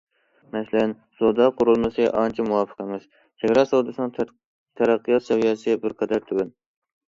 مەسىلەن، سودا قۇرۇلمىسى ئانچە مۇۋاپىق ئەمەس، چېگرا سودىسىنىڭ تەرەققىيات سەۋىيەسى بىر قەدەر تۆۋەن.